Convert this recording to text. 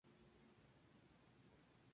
Como resultado, el animal murió de inmediato.